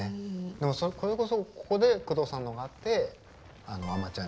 でもそれこそここで宮藤さんのがあって「あまちゃん」にそのあとね。